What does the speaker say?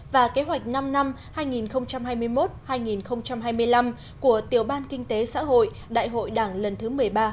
và kế hoạch năm năm hai nghìn hai mươi một hai nghìn hai mươi năm của tiểu ban kinh tế xã hội đại hội đảng lần thứ một mươi ba